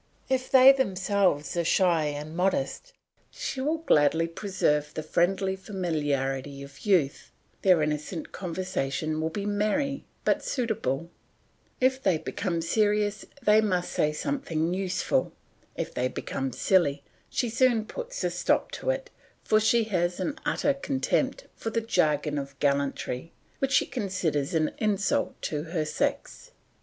If they themselves are shy and modest, she will gladly preserve the friendly familiarity of youth; their innocent conversation will be merry but suitable; if they become serious they must say something useful; if they become silly, she soon puts a stop to it, for she has an utter contempt for the jargon of gallantry, which she considers an insult to her sex.